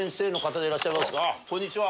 こんにちは。